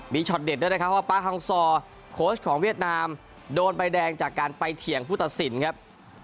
มีช็อตเด็ดด้วยนะครับว่าป๊าฮังซอร์โค้ชของเวียดนามโดนใบแดงจากการไปเถียงผู้ตัดสินครับ